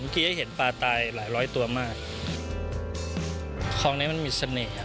เมื่อกี้ให้เห็นปลาไตรหลายร้อยตัวมากคลองเนี้ยมันมีเสน่ห์อ่ะ